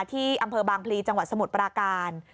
ที่อำเภอบางพลีจังหวัดสมุทรปราการ